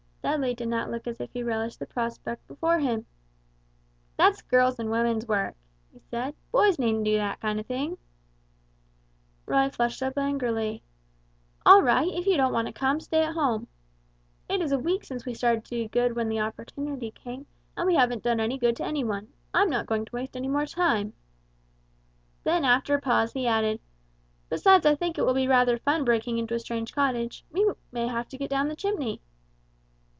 Dudley did not look as if he relished the prospect before him. "That's girls' and women's work," he said; "boys needn't do that kind of thing." Roy flushed up angrily. "All right, if you don't want to come, stay at home. It is a week since we started to do good when the opportunity came, and we haven't done any good to any one. I'm not going to waste any more time." Then after a pause he added, "Besides I think it will be rather fun breaking into a strange cottage; we may have to get down the chimney."